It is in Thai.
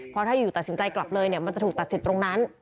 เพราะถ้าอยู่ตัดสินใจกลับเลยเนี่ยมันจะถูกตัดสิทธิ์ตรงนั้น